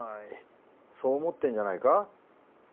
そう思ってんじゃないか？